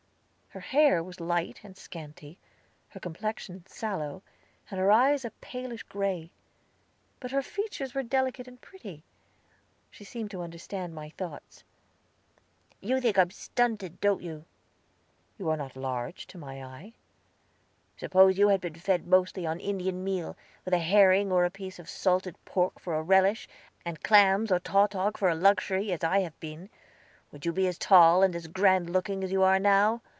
Her hair was light and scanty, her complexion sallow, and her eyes a palish gray; but her features were delicate and pretty. She seemed to understand my thoughts. "You think I am stunted, don't you?" "You are not large to my eye." "Suppose you had been fed mostly on Indian meal, with a herring or a piece of salted pork for a relish, and clams or tautog for a luxury, as I have been, would you be as tall and as grand looking as you are now?